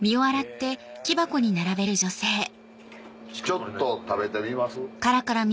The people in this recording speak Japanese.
ちょっと食べてみます？